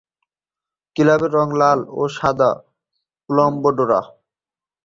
ক্লাবের রং লাল ও সাদা উলম্ব ডোরা।